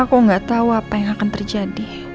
aku nggak tahu apa yang akan terjadi